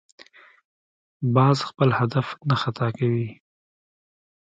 باز خپل هدف نه خطا کوي